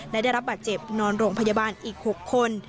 และได้รับบาดเจ็บนอนโรงพยาบาลอีก๖คน